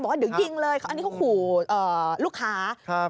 ว่าเดี๋ยวยิงเลยอันนี้เขาขู่ลูกค้า